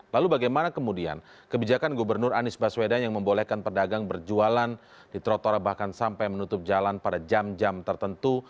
lalu bagaimana kemudian kebijakan gubernur anies baswedan yang membolehkan pedagang berjualan di trotoar bahkan sampai menutup jalan pada jam jam tertentu